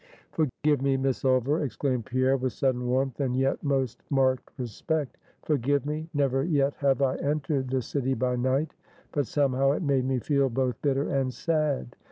"Forgive me, Miss Ulver," exclaimed Pierre, with sudden warmth, and yet most marked respect; "forgive me; never yet have I entered the city by night, but, somehow, it made me feel both bitter and sad.